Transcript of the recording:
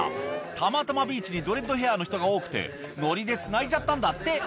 たまたまビーチにドレッドヘアの人が多くて、ノリでつないじゃったんだって。